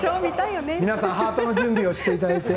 皆さんハートの準備をしていただいて。